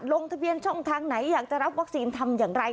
ลงทะเบียนช่องทางไหนอยากจะรับวัคซีนทำอย่างไร